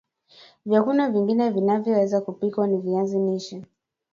Vyakula vingine vinavyoweza kupikwa na viazi lishe